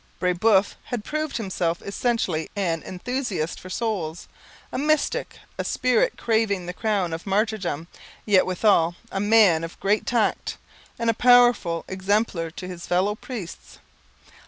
Brebeuf had proved himself essentially an enthusiast for souls, a mystic, a spirit craving the crown of martyrdom, yet withal a man of great tact, and a powerful exemplar to his fellow priests.